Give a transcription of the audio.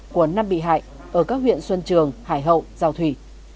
của năm bị hại ở các huyện xuân trường hải hậu giao thủy